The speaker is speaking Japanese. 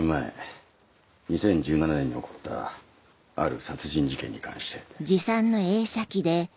５年前２０１７年に起こったある殺人事件に関して。